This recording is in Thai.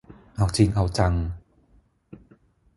เอาจริงเอาจัง